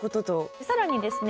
さらにですね